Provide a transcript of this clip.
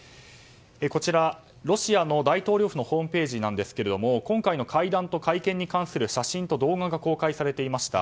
こちら、ロシアの大統領府のホームページなんですが今回の会談と会見に関する写真と動画が公開されていました。